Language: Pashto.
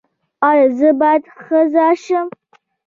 ایا زه باید ښځه شم؟